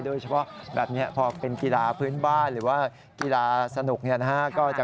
โดยเฉพาะแบบนี้พอเป็นกีฬาพื้นบ้านหรือว่ากีฬาสนุกเนี่ยนะฮะ